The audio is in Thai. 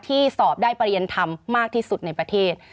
ที่สอบได้ประเรียนธรรมมากที่สุดในประเทศ